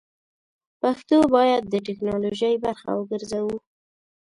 پښتو بايد د ټيکنالوژۍ برخه وګرځوو!